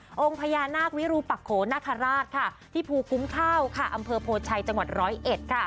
โรงพญานาควิรูปักโขนาคาราชที่ภูกุ้งเท่าอำเภอโพชัยจังหวัด๑๐๑